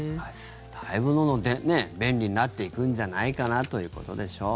だいぶ便利になっていくんじゃないかなということでしょう。